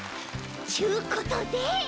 ちゅうことで。